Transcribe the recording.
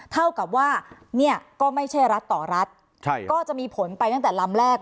เท่ากับว่าเนี่ยก็ไม่ใช่รัฐต่อรัฐก็จะมีผลไปตั้งแต่ลำแรก